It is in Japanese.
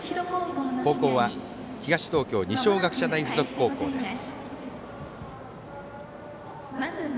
後攻は、東東京二松学舎大付属高校です。